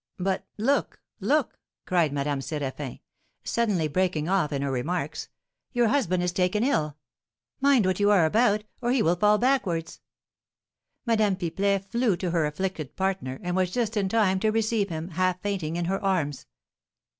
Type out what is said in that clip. But, look, look!" cried Madame Séraphin, suddenly breaking off in her remarks. "Your husband is taken ill! Mind what you are about, or he will fall backwards!" Madame Pipelet flew to her afflicted partner, and was just in time to receive him, half fainting, in her arms.